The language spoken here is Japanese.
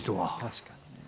確かに。